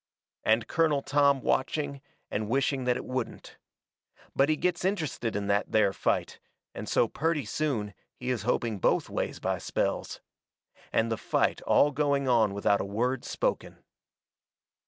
And Colonel Tom watching, and wishing that it wouldn't. But he gets interested in that there fight, and so purty soon he is hoping both ways by spells. And the fight all going on without a word spoken.